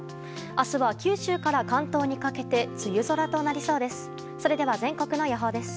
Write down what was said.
明日は九州から関東にかけて梅雨空となりそうです。